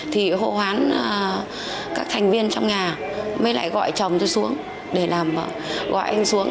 thì hộ hoán các thành viên trong nhà mới lại gọi chồng tôi xuống để làm gọi anh xuống